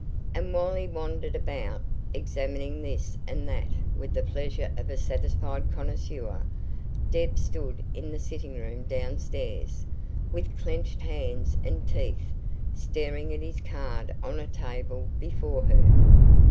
And while he wandered about, examining this and that with the pleasure of a satisfied connoisseur, Deb stood in the sitting room downstairs, with clenched hands and teeth, staring at his card on a table before her.